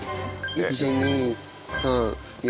１２３４。